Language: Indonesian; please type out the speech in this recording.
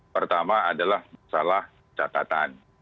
pertama adalah masalah catatan